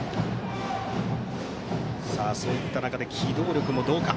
そういった中で機動力もどうか。